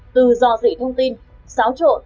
từ do dị thông tin xáo trộn